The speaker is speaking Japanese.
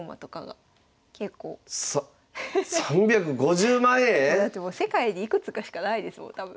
さ３５０万円⁉だってもう世界でいくつかしかないですもん多分。